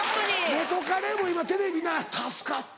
元カレも今テレビ見ながら「助かった」